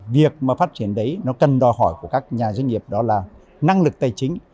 việc phát triển đấy cần đòi hỏi của các nhà doanh nghiệp đó là năng lực tài chính